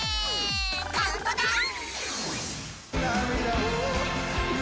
カウントダウン！